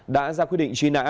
đã ra quyết định truy nã